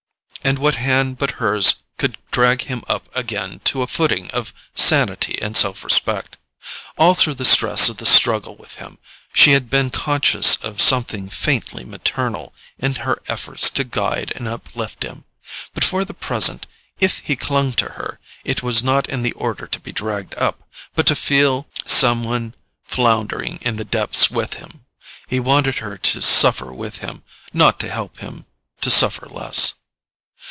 And what hand but hers could drag him up again to a footing of sanity and self respect? All through the stress of the struggle with him, she had been conscious of something faintly maternal in her efforts to guide and uplift him. But for the present, if he clung to her, it was not in order to be dragged up, but to feel some one floundering in the depths with him: he wanted her to suffer with him, not to help him to suffer less.